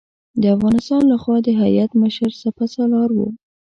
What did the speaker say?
د افغانستان له خوا د هیات مشر سپه سالار و.